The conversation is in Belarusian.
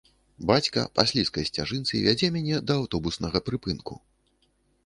Бацька па слізкай сцяжынцы вядзе мяне да аўтобуснага прыпынку.